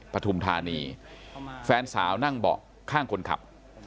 ปฐุมธานีแฟนสาวนั่งเบาะข้างคนขับ